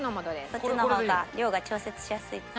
そっちの方が量が調節しやすいです。